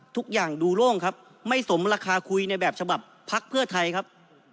ทุกอย่างดูโล่งครับไม่สมราคาคุยในแบบฉบับพักเพื่อไทยครับ